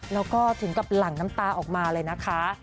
แล้วก็ถึงกับหลั่งน้ำตาออกมาเลยนะคะ